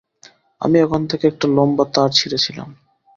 আমি ওখান থেকে একটা লম্বা তার ছিঁড়েছিলাম।